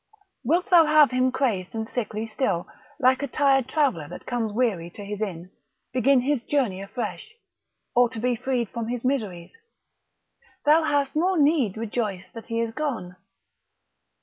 Wilt thou have him crazed and sickly still, like a tired traveller that comes weary to his inn, begin his journey afresh, or to be freed from his miseries; thou hast more need rejoice that he is gone.